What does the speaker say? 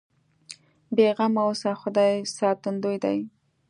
بې غمه اوسه خدای ساتندوی دی.